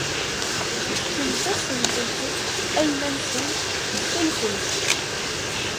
Fkemt-asent-d ayla-nsent ttxil-kent.